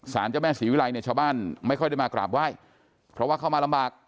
เจ้าแม่ศรีวิรัยเนี่ยชาวบ้านไม่ค่อยได้มากราบไหว้เพราะว่าเข้ามาลำบาก